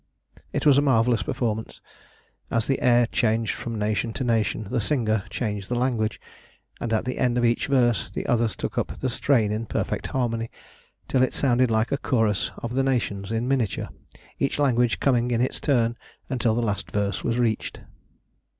It was a marvellous performance. As the air changed from nation to nation the singer changed the language, and at the end of each verse the others took up the strain in perfect harmony, till it sounded like a chorus of the nations in miniature, each language coming in its turn until the last verse was reached.